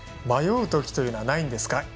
迷うときというのはないんですか？